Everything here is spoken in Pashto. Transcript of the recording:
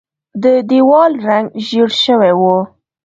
د دیوال رنګ ژیړ شوی و.